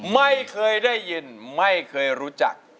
ไม่เคยได้ยินไม่เคยรู้จัก